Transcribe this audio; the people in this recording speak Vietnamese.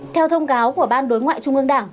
theo thông cáo của ban đối ngoại trung ương đảng